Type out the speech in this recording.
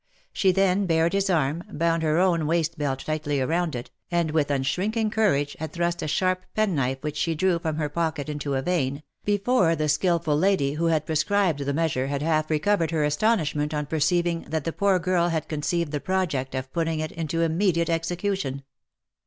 She then bared his arm, bound her own waist belt tightly round it, and with unshrinking cou rage had thrust a sharp penknife which she drew from her pocket into a vein, before the skilful lady who had prescribed the measure had half recovered her astonishment on perceiving that the poor girl had conceived the project of putting it into immediate execution.